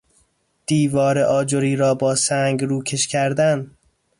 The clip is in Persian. دیوار آجری را با سنگ روکش کردن